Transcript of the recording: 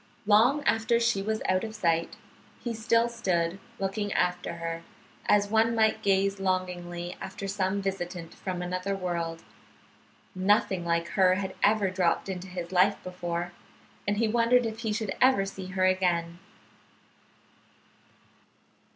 Long after she was out of sight he still stood looking after her, as one might gaze longingly after some visitant from another world. Nothing like her had ever dropped into his life before, and he wondered if he should ever see her again.